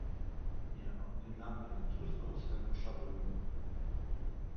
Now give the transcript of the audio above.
"Nie, on nie dla mnie... Cóż znowu z tem siodłem!"